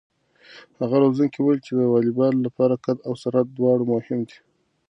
هغه روزونکی وویل چې د واليبال لپاره قد او سرعت دواړه مهم دي.